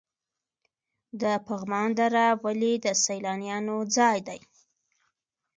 د پغمان دره ولې د سیلانیانو ځای دی؟